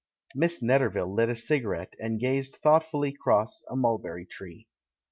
INIiss Netterville lit a cigarette, and gazed thoughtfully across a mulberry tree.